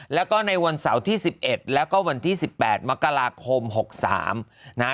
แล้วก็ในวันเสาร์ที่สิบเอ็ดแล้วก็วันที่สิบแปดมกราคมหกสามนะฮะ